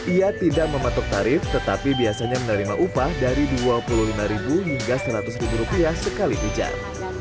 ia tidak mematok tarif tetapi biasanya menerima upah dari rp dua puluh lima hingga rp seratus sekali di jam